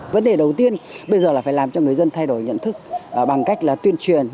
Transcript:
vấn đề đầu tiên bây giờ là phải làm cho người dân thay đổi nhận thức bằng cách là tuyên truyền